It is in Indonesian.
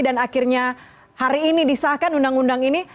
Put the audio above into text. dan akhirnya hari ini disahkan undang undang ini